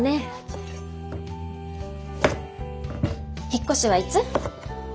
引っ越しはいつ？